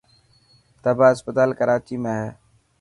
تباهه اسپتال ڪراچي ۾ هي.